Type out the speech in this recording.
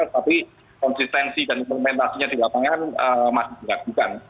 tapi konsistensi dan implementasinya di lapangan